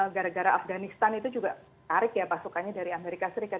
gara gara afganistan itu juga tarik ya pasukannya dari amerika serikat